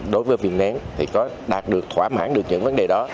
đối với viên nén thì có đạt được thỏa mãn được những vấn đề đó